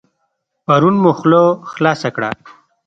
پرون مو خوله خلاصه کړه.